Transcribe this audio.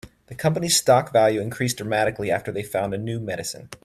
The company's stock value increased dramatically after they found a new medicine.